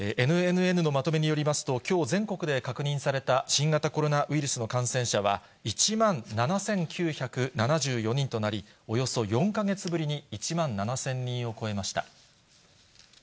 ＮＮＮのまとめによりますと、きょう全国で確認された新型コロナウイルスの感染者は、１万７９７４人となり、およそ４か月ぶりに１万７０００人を超えました。